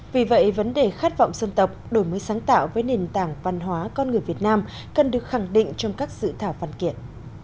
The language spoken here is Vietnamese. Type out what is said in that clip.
vì vậy vấn đề khát vọng dân tộc đổi mới sáng tạo với nền tảng văn hóa con người việt nam cần được khẳng định trong các dự thảo văn kiện